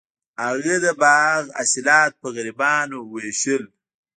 هغه د باغ حاصلات په غریبانو ویشل.